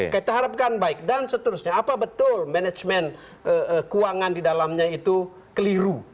kita harapkan baik dan seterusnya apa betul manajemen keuangan di dalamnya itu keliru